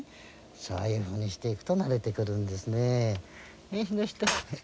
そういうふうにしていくとなれていくんですね。